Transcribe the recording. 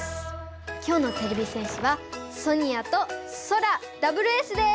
今日のてれび戦士はソニアとソラダブルＳです。